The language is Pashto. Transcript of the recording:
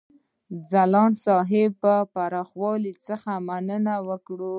ځلاند صاحب د برخوالو څخه مننه وکړه.